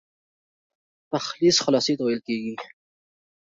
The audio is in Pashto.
تلخیص خلاصې ته ويل کیږي.